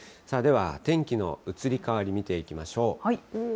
では天気の移り変わり、見ていきましょう。